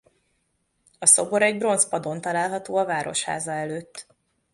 A szobor egy bronz padon található a városháza előtt.